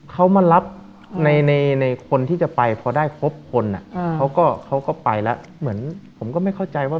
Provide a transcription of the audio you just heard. เขามารับในคนที่จะไปพอได้ครบคนเขาก็ไปแล้วเหมือนผมก็ไม่เข้าใจว่า